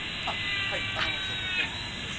はい植物園の者です。